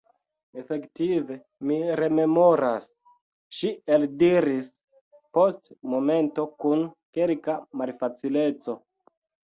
Efektive, mi rememoras, ŝi eldiris post momento kun kelka malfacileco.